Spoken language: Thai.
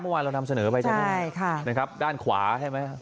เมื่อวานเรานำเสนอไปใช่ไหมใช่ค่ะนะครับด้านขวาใช่ไหม